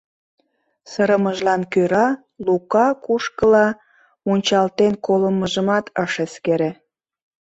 Сырымыжлан кӧрак Лука кушкыла мунчалтен колымыжымат ыш эскере.